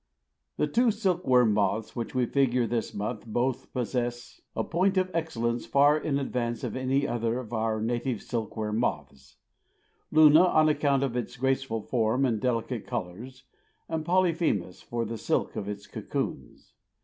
The two silk worm moths which we figure this month both possess a point of excellence far in advance of any other of our native silk worm moths; Luna on account of its graceful form and delicate colors, and Polyphemus for the silk of its cocoons.